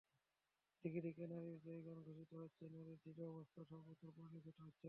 দিকে দিকে নারীর জয়গান ঘোষিত হচ্ছে, নারীদের দৃঢ় অবস্থান সর্বত্র পরিলক্ষিত হচ্ছে।